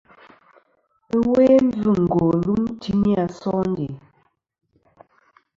Ɨwe mbvɨngo lum timi a sondè.